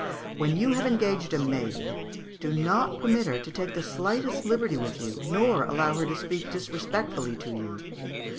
When you have engaged a maid, do not permit her to take the slightest liberty with you, nor allow her to speak disrespectfully to you.